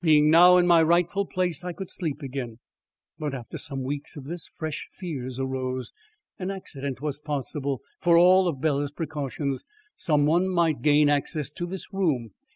Being now in my rightful place, I could sleep again. But after some weeks of this, fresh fears arose. An accident was possible. For all Bela's precautions, some one might gain access to this room.